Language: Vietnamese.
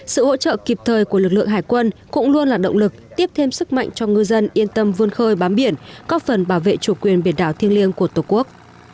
sự hỗ trợ kịp thời của lực lượng hải quân cũng luôn là động lực tiếp thêm sức mạnh cho ngư dân yên tâm vươn khơi bám biển góp phần bảo vệ chủ quyền biển đảo thiêng liêng của tổ quốc